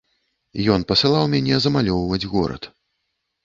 Ён пасылаў мяне замалёўваць горад.